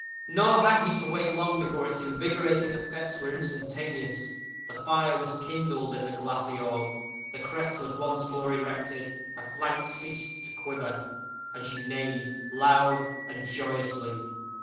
Nor had he to wait long before its invigorating effects were instantaneous. The fire was kindled in the glassy orb; her crest was once more erected; her flank ceased to quiver; and she neighed loud and joyously.